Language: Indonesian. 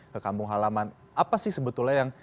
ke kampung halaman apa sih sebetulnya yang